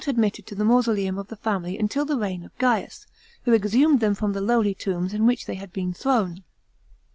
205 admitted to the mausoleum of the family until the reign of Gaiug, who exhumed them from the lowly tombs in which they had been thrown.